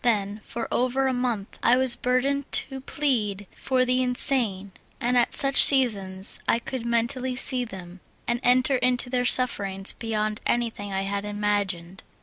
Then, for over a month, I was burdened to plead for the in sane, and at such seasons I could mentally see them, and enter into their sufferings beyond anything I had imagined.